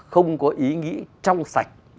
không có ý nghĩ trong sạch